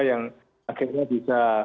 yang akhirnya bisa